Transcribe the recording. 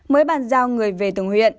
mới bàn giao người về